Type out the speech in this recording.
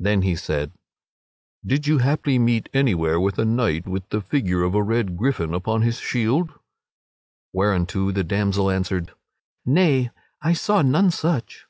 Then he said: "Did you haply meet anywhere with a knight with the figure of a red gryphon upon his shield?" whereunto the damsel answered: "Nay, I saw none such."